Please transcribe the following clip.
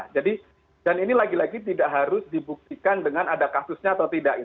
jadi dan ini lagi lagi tidak harus dibuktikan dengan ada kasusnya atau tidak